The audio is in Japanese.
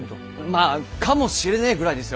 まぁかもしれねえぐらいですよ。